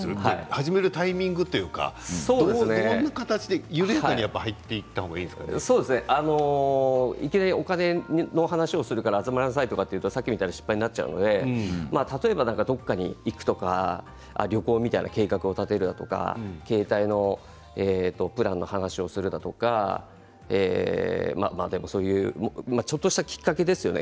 始めるタイミングというかどんな形でいきなりお金の話をするから集まりなさいというとさっきみたいな失敗になるので例えばどこかに行くとか旅行の計画を立てるとか携帯のプランの話をするとかちょっとしたきっかけですよね